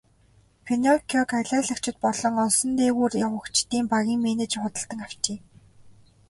Пиноккиог алиалагчид болон олсон дээгүүр явагчдын багийн менежер худалдан авчээ.